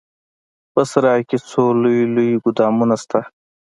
په سراى کښې څو لوى لوى ګودامونه سته.